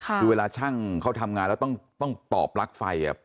คือเวลาช่างเขาทำงานแล้วต้องตอบปลั๊กไฟ